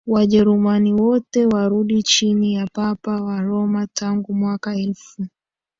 Wajerumani wote warudi chini ya Papa wa Roma Tangu mwaka elfu